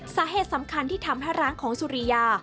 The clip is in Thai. สาเหตุสำคัญที่ทำให้ร้านของสุริยา